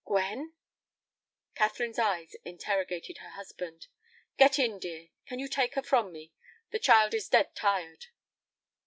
"Gwen?" Catherine's eyes interrogated her husband. "Get in, dear; can you take her from me? The child is dead tired."